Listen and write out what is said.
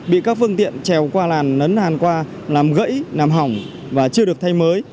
bị các phương tiện trèo qua làn nấn hàn qua làm gãy nằm hỏng và chưa được thay mới